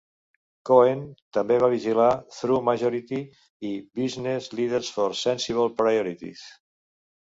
Cohen també va vigilar TrueMajority i Business Leaders for Sensible Priorities.